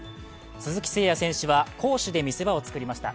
鈴木誠也選手は攻守で見せ場をつくりました。